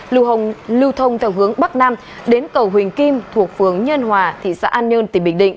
lưu hồng lưu thông theo hướng bắc nam đến cầu huỳnh kim thuộc phường nhân hòa thị xã an nhơn tỉnh bình định